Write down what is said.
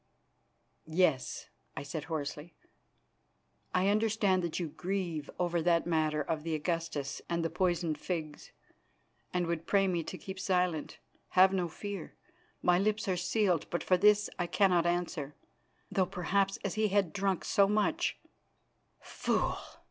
"Yes," I said hoarsely. "I understand that you grieve over that matter of the Augustus and the poisoned figs, and would pray me to keep silence. Have no fear, my lips are sealed, but for his I cannot answer, though perhaps as he had drunk so much " "Fool!"